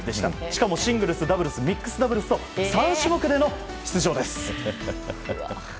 しかもシングルス、ダブルスミックスダブルスと３種目での出場です。